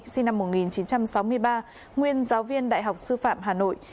sinh năm một nghìn chín trăm sáu mươi ba nguyên giáo viên đại học sư phạm hà nội